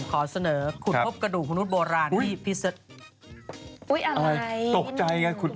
โดยเฉพาะแอ่ล่างผัดไทนี้โอ้โฮ